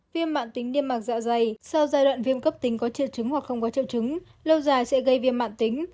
viêm mạc tính niêm mạc dọa dày sau giai đoạn viêm cấp tính có triệu chứng hoặc không có triệu chứng lâu dài sẽ gây viêm mạc tính